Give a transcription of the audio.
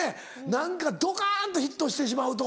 何かドカンとヒットしてしまうと。